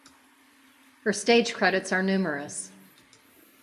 Her stage credits are numerous.